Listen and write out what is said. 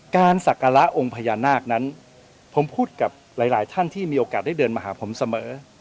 ศักระองค์พญานาคนั้นผมพูดกับหลายท่านที่มีโอกาสได้เดินมาหาผมเสมอ